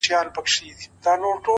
• څه له محتسب څخه، څه له نیم طبیب څخه ,